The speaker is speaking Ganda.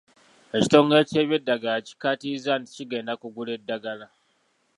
Ekitongole ky’ebyeddagala kikkaatirizza nti kigenda kugula eddagala.